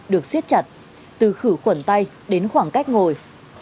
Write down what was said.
được siết chặt từ khử khuẩn tay đến khoảng cách ngồi